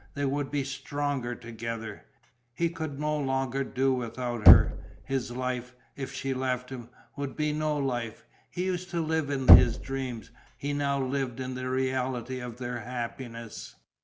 They would be stronger together. He could no longer do without her; his life, if she left him, would be no life. He used to live in his dreams; he now lived in the reality of their happiness.